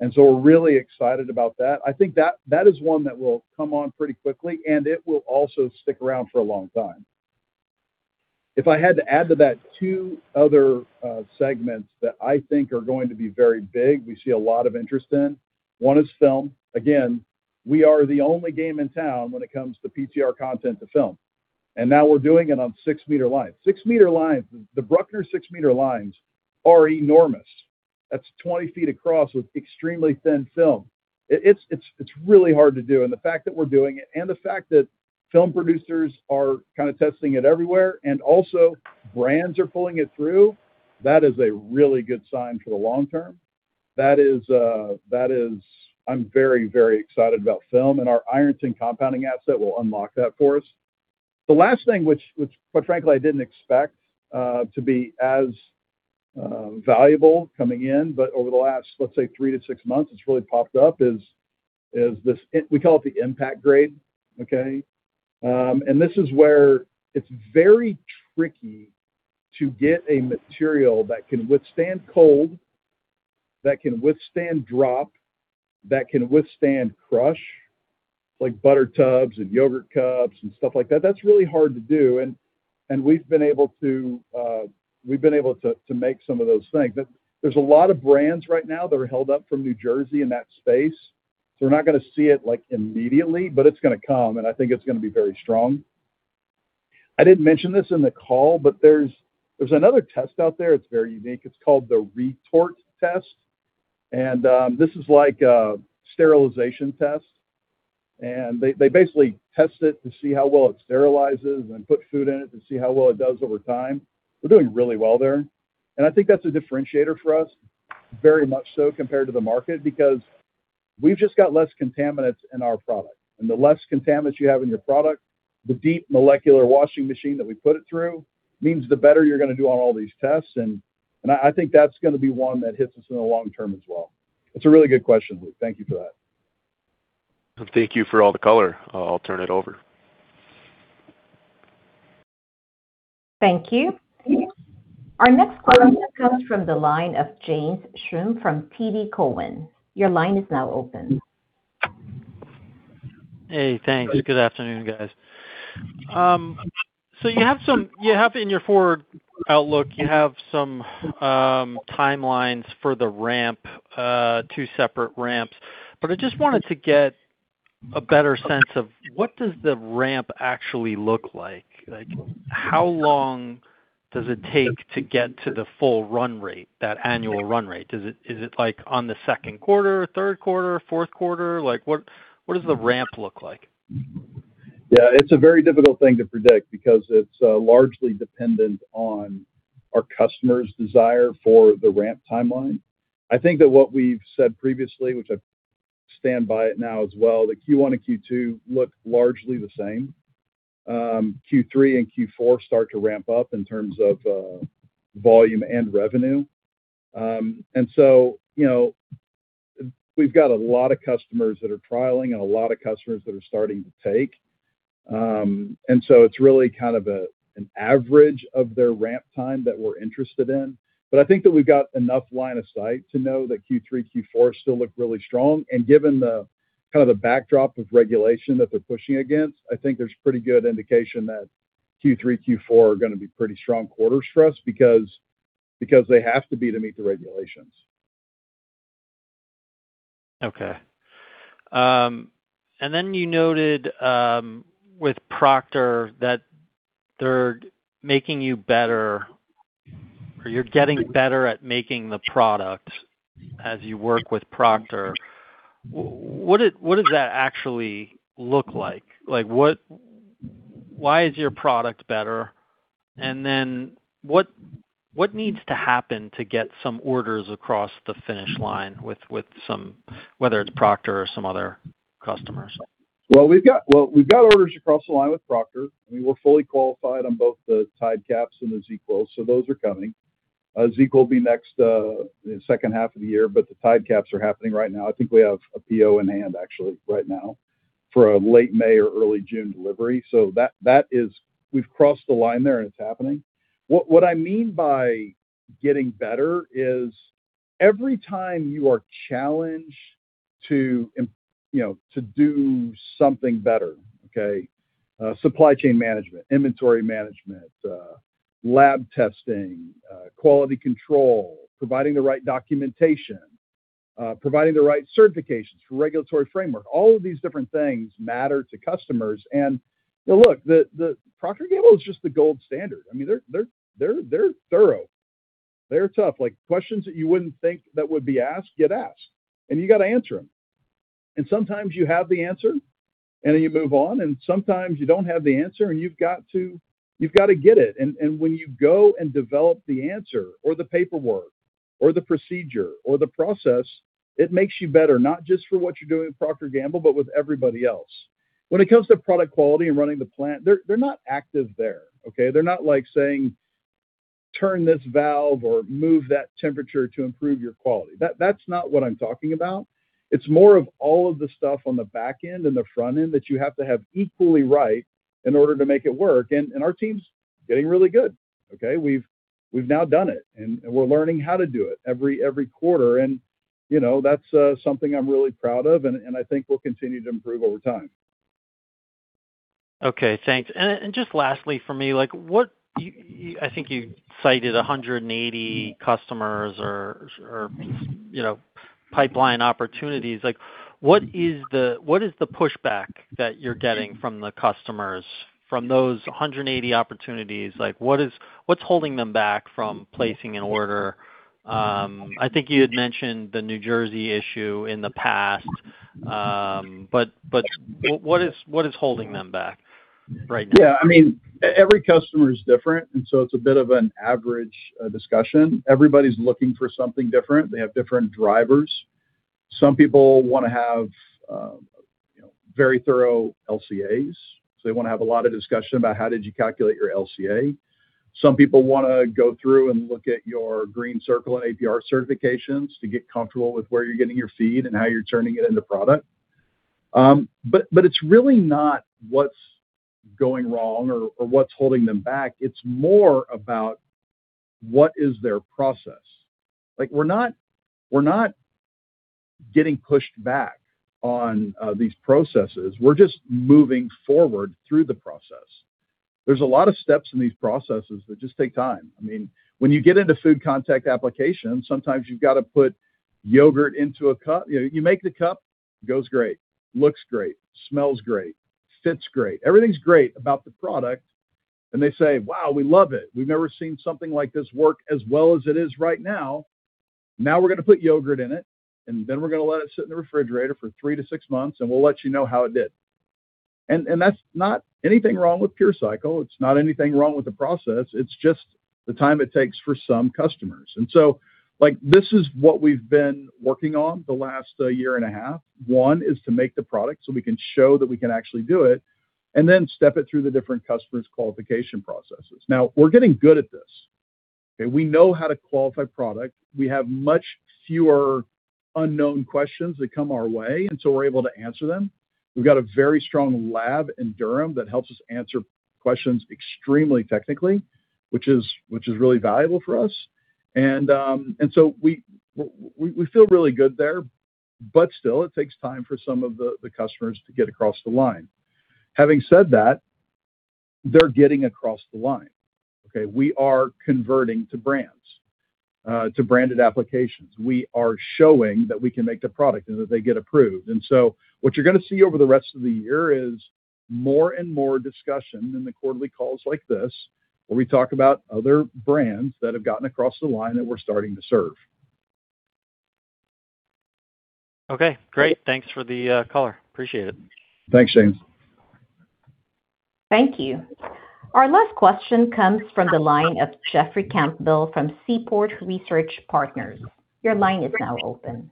and so we're really excited about that. I think that is one that will come on pretty quickly, and it will also stick around for a long time. If I had to add to that, two other segments that I think are going to be very big, we see a lot of interest in, one is film. Again, we are the only game in town when it comes to PTR content to film, and now we're doing it on 6-m lines. 6-m lines, the Brückner 6-m lines are enormous. That's 20 ft across with extremely thin film. It's really hard to do, the fact that we're doing it and the fact that film producers are kind of testing it everywhere, and also brands are pulling it through, that is a really good sign for the long term. That is, I'm very, very excited about film. Our Ironton compounding asset will unlock that for us. The last thing which quite frankly I didn't expect to be as valuable coming in, but over the last, let's say three-six months, it's really popped up, is this we call it the impact grade, okay. This is where it's very tricky to get a material that can withstand cold, that can withstand drop, that can withstand crush, like butter tubs and yogurt cups and stuff like that. That's really hard to do, and we've been able to make some of those things. There's a lot of brands right now that are held up from New Jersey in that space, so we're not gonna see it, like, immediately, but it's gonna come, and I think it's gonna be very strong. I didn't mention this in the call, but there's another test out there, it's very unique. It's called the retort test. This is like a sterilization test, and they basically test it to see how well it sterilizes and put food in it to see how well it does over time. We're doing really well there, and I think that's a differentiator for us, very much so compared to the market, because we've just got less contaminants in our product. The less contaminants you have in your product, the deep molecular washing machine that we put it through means the better you're gonna do on all these tests. I think that's gonna be one that hits us in the long term as well. It's a really good question, Luke. Thank you for that. Thank you for all the color. I'll turn it over. Thank you. Our next question comes from the line of James Schumm from TD Cowen. Your line is now open. Hey, thanks. Good afternoon, guys. You have in your forward outlook, you have some timelines for the ramp, two separate ramps. I just wanted to get a better sense of what does the ramp actually look like? Like, how long does it take to get to the full run rate, that annual run rate? Is it like on the second quarter, third quarter, fourth quarter? Like, what does the ramp look like? Yeah. It's a very difficult thing to predict because it's largely dependent on our customers' desire for the ramp timeline. I think that what we've said previously, which I stand by it now as well, that Q1 and Q2 look largely the same. Q3 and Q4 start to ramp up in terms of volume and revenue. You know, we've got a lot of customers that are trialing and a lot of customers that are starting to take, and so it's really kind of an average of their ramp time that we're interested in. I think that we've got enough line of sight to know that Q3, Q4 still look really strong. Given the, kind of the backdrop of regulation that they're pushing against, I think there's pretty good indication that Q3, Q4 are gonna be pretty strong quarters for us because they have to be to meet the regulations. Okay. Then you noted with Procter that they're making you better, or you're getting better at making the product as you work with Procter. What does that actually look like? Like, why is your product better? Then what needs to happen to get some orders across the finish line with some, whether it's Procter or some other customers? Well, we've got orders across the line with Procter. I mean, we're fully qualified on both the Tide caps and the ZzzQuil, those are coming. ZzzQuil will be next, second half of the year, the Tide caps are happening right now. I think we have a PO in hand actually right now for a late May or early June delivery. We've crossed the line there and it's happening. What I mean by getting better is every time you are challenged to, you know, to do something better, okay? Supply chain management, inventory management, lab testing, quality control, providing the right documentation, providing the right certifications for regulatory framework. All of these different things matter to customers. Now look, the Procter & Gamble is just the gold standard. I mean, they're thorough. They're tough. Like, questions that you wouldn't think that would be asked get asked, and you gotta answer them. Sometimes you have the answer, and then you move on, and sometimes you don't have the answer, and you've got to get it. When you go and develop the answer or the paperwork or the procedure or the process, it makes you better, not just for what you're doing with Procter & Gamble, but with everybody else. When it comes to product quality and running the plant, they're not active there, okay? They're not, like, saying, "Turn this valve or move that temperature to improve your quality." That's not what I'm talking about. It's more of all of the stuff on the back end and the front end that you have to have equally right in order to make it work, and our team's getting really good, okay? We've now done it, and we're learning how to do it every quarter. You know, that's something I'm really proud of, and I think we'll continue to improve over time. Okay, thanks. Lastly from me, like, what I think you cited 180 customers or, you know, pipeline opportunities. Like, what is the, what is the pushback that you're getting from the customers from those 180 opportunities? Like, what is, what's holding them back from placing an order? I think you had mentioned the New Jersey issue in the past, what is holding them back right now? I mean, every customer is different, it's a bit of an average discussion. Everybody's looking for something different. They have different drivers. Some people wanna have, you know, very thorough LCAs, they wanna have a lot of discussion about how did you calculate your LCA. Some people wanna go through and look at your GreenCircle and APR certifications to get comfortable with where you're getting your feed and how you're turning it into product. But it's really not what's going wrong or what's holding them back, it's more about what is their process. Like, we're not getting pushed back on these processes. We're just moving forward through the process. There's a lot of steps in these processes that just take time. I mean, when you get into food contact applications, sometimes you've got to put yogurt into a cup. You know, you make the cup, it goes great, looks great, smells great, fits great. Everything's great about the product, and they say, "Wow, we love it. We've never seen something like this work as well as it is right now. Now we're gonna put yogurt in it, and then we're gonna let it sit in the refrigerator for three-six months, and we'll let you know how it did." That's not anything wrong with PureCycle. It's not anything wrong with the process. It's just the time it takes for some customers. Like, this is what we've been working on the last year and a half. One is to make the product so we can show that we can actually do it and then step it through the different customers' qualification processes. We're getting good at this, okay? We know how to qualify product. We have much fewer unknown questions that come our way, we're able to answer them. We've got a very strong lab in Durham that helps us answer questions extremely technically, which is really valuable for us. So, we feel really good there, still, it takes time for some of the customers to get across the line. Having said that, they're getting across the line, okay? We are converting to brands, to branded applications. We are showing that we can make the product and that they get approved. What you're going to see over the rest of the year is more and more discussion in the quarterly calls like this, where we talk about other brands that have gotten across the line that we're starting to serve. Okay, great. Thanks for the color. Appreciate it. Thanks, James. Thank you. Our last question comes from the line of Jeffrey Campbell from Seaport Research Partners. Your line is now open.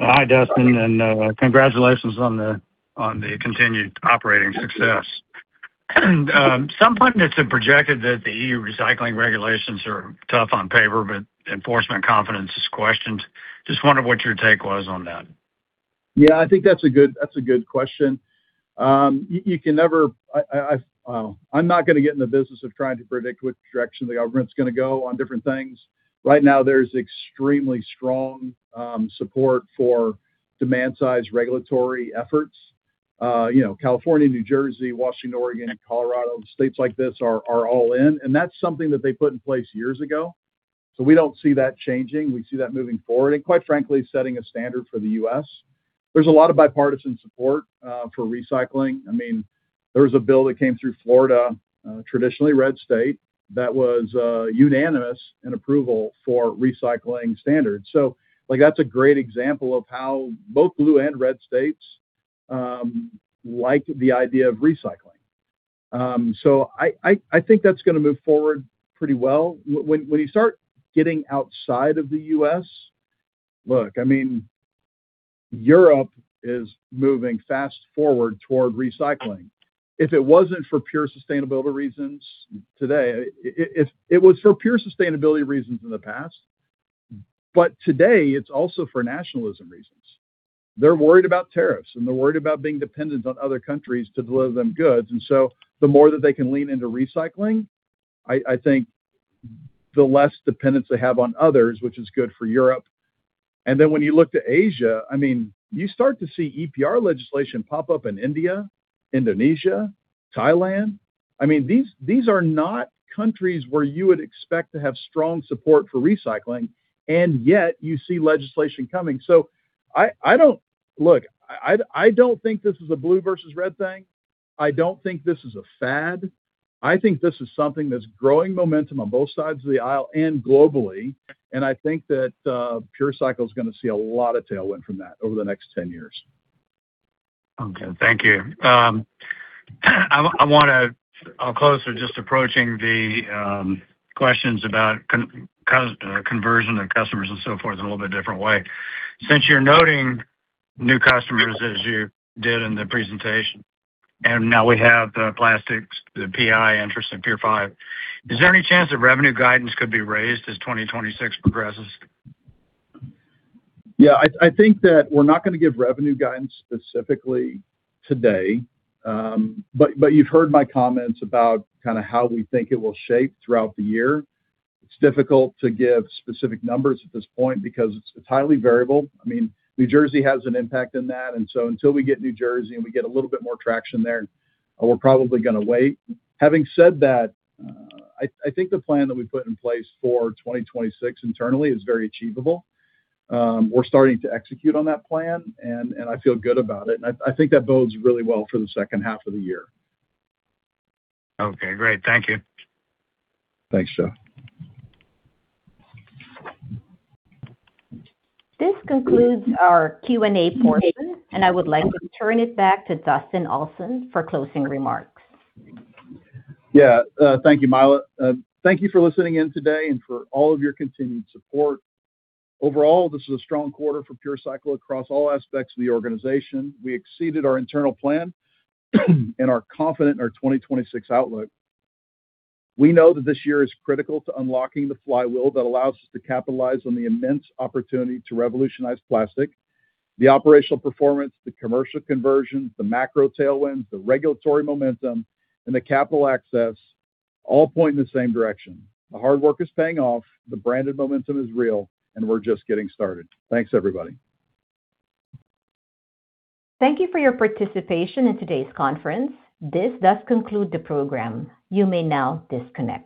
Hi, Dustin, and congratulations on the continued operating success. Some pundits have projected that the EU recycling regulations are tough on paper, but enforcement confidence is questioned. Just wondered what your take was on that. I think that's a good question. Well, I'm not gonna get in the business of trying to predict which direction the government's gonna go on different things. Right now, there's extremely strong support for demand-side regulatory efforts. You know, California, New Jersey, Washington, Oregon, Colorado, states like this are all in, and that's something that they put in place years ago, so we don't see that changing. We see that moving forward and, quite frankly, setting a standard for the U.S. There's a lot of bipartisan support for recycling. I mean, there was a bill that came through Florida, traditionally red state, that was unanimous in approval for recycling standards. Like, that's a great example of how both blue and red states like the idea of recycling. I think that's gonna move forward pretty well. When you start getting outside of the U.S., look, I mean, Europe is moving fast forward toward recycling. If it wasn't for pure sustainability reasons today, it was for pure sustainability reasons in the past, but today it's also for nationalism reasons. They're worried about tariffs, and they're worried about being dependent on other countries to deliver them goods. The more that they can lean into recycling, I think the less dependence they have on others, which is good for Europe. Then when you look to Asia, I mean, you start to see EPR legislation pop up in India, Indonesia, Thailand. I mean, these are not countries where you would expect to have strong support for recycling, and yet you see legislation coming. Look, I don't think this is a blue versus red thing. I don't think this is a fad. I think this is something that's growing momentum on both sides of the aisle and globally. I think that PureCycle is gonna see a lot of tailwind from that over the next 10 years. Okay. Thank you. I'll close with just approaching the questions about conversion of customers and so forth in a little bit different way. Since you're noting new customers as you did in the presentation, and now we have the plastics, the PI interest in PureFive, is there any chance that revenue guidance could be raised as 2026 progresses? I think that we're not gonna give revenue guidance specifically today. You've heard my comments about kind of how we think it will shape throughout the year. It's difficult to give specific numbers at this point because it's highly variable. I mean, New Jersey has an impact in that. Until we get New Jersey, and we get a little bit more traction there, we're probably gonna wait. Having said that, I think the plan that we put in place for 2026 internally is very achievable. We're starting to execute on that plan, and I feel good about it. I think that bodes really well for the second half of the year. Okay, great. Thank you. Thanks, Jeff. This concludes our Q&A portion, and I would like to turn it back to Dustin Olson for closing remarks. Thank you, Myla. Thank you for listening in today and for all of your continued support. Overall, this is a strong quarter for PureCycle across all aspects of the organization. We exceeded our internal plan and are confident in our 2026 outlook. We know that this year is critical to unlocking the flywheel that allows us to capitalize on the immense opportunity to revolutionize plastic. The operational performance, the commercial conversions, the macro tailwinds, the regulatory momentum, and the capital access all point in the same direction. The hard work is paying off, the branded momentum is real, and we're just getting started. Thanks, everybody. Thank you for your participation in today's conference. This does conclude the program. You may now disconnect.